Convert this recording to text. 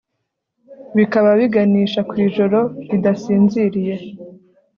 Bikaba biganisha ku ijoro ridasinziriye